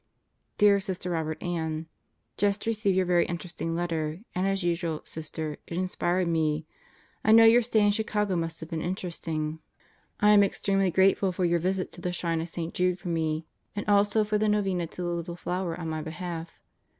Dear Sister Robert Ann: Just received your very interesting letter, and as usual, Sister, it inspired me. I know your stay in Chicago must have been interest 88 God Goes to Murderers Row ing. ... I am extremely grateful for your visit to the Shrine of St. Jude for me and also for the Novena to the Little Flower on my behalf.